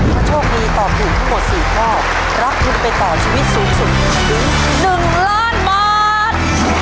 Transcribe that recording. ถ้าโชคดีตอบถูกทั้งหมด๔ข้อรับทุนไปต่อชีวิตสูงสุดถึง๑ล้านบาท